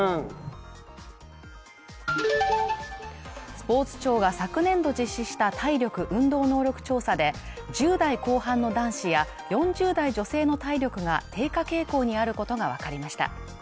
スポーツ庁が昨年度実施した体力・運動能力調査で１０代後半の男子や４０代女性の体力が低下傾向にあることが分かりました。